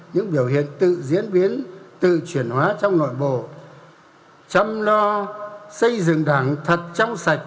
những biểu hiện tự diễn biến tự chuyển hóa trong nội bộ chăm lo xây dựng đảng thật trong sạch